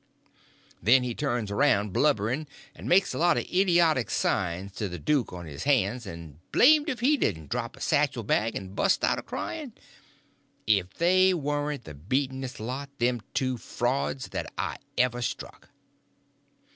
Then he turns around, blubbering, and makes a lot of idiotic signs to the duke on his hands, and blamed if he didn't drop a carpet bag and bust out a crying. If they warn't the beatenest lot, them two frauds, that ever I struck.